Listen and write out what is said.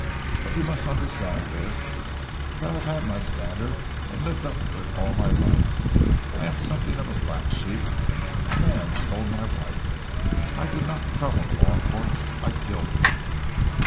But you must understand this. Though I have had my standard and lived up to it all my life, I am something of a black sheep. A man stole my wife. I did not trouble the Law Courts. I killed him."